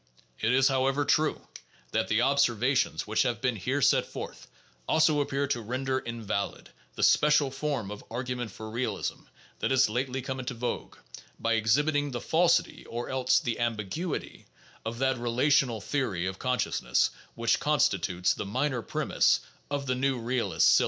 It is, however, true that the observations which have been here set forth also appear to render invalid the special form of argument for realism that has lately come into vogue, by exhibiting the falsity (or else the ambiguity) of that relational theory of consciousness which constitutes the minor premise of the new realist's syllogism.